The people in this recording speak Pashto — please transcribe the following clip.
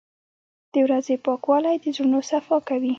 • د ورځې پاکوالی د زړونو صفا کوي.